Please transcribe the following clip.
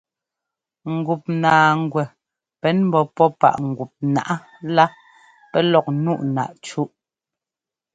Ŋgup naaŋgwɛ pɛn ḿbɔ́ pɔ́ páꞌ gup nǎꞌá lá pɛ́ lɔk ńnuꞌ náꞌ cúꞌ.